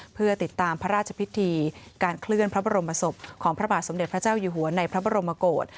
เพื่อติดตามพระราชพิธีการเคลื่อนพระบรมศพของพระบาทสมเด็จพระเจ้าอยู่หัวในพระบรมโกศ